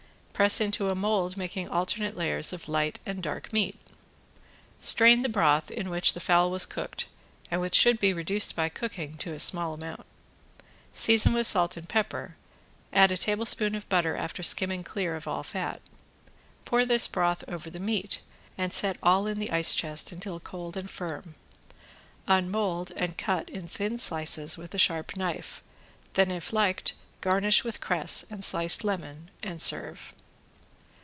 Press into a mold making alternate layers of light and dark meat. Strain the broth in which the fowl was cooked and which should be reduced by cooking to a small amount, season with salt and pepper, add a tablespoon of butter after skimming clear of all fat. Pour this broth over the meat and set all in the ice chest until cold and firm. Unmold and cut in thin slices with a sharp knife, then if liked garnish with cress and sliced lemon and serve.